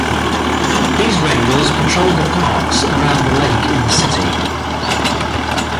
These rangers patrol the parks around the lake in the city.